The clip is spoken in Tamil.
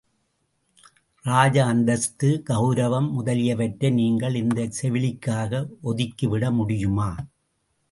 ராஜ அந்தஸ்து, கவுரவம் முதலியவற்றை நீங்கள் இந்தச் செவிலிக்காக ஒதுக்கிவிட முடியுமா?